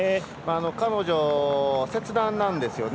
彼女、切断なんですよね。